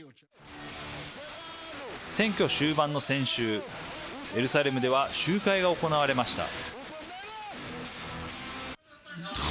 選挙終盤の先週エルサレムでは集会が行われました。